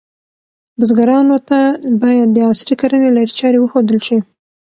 بزګرانو ته باید د عصري کرنې لارې چارې وښودل شي.